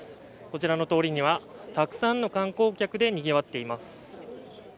こちらの通りには、たくさんの観光客でにぎわっています。